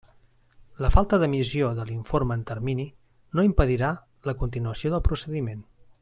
La falta d'emissió de l'informe en termini no impedirà la continuació del procediment.